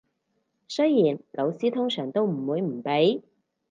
雖然老師通常都唔會唔俾